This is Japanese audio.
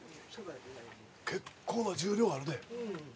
結構な重量あるね。